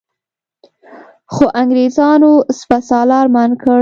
خو انګرېزانو سپه سالار منع کړ.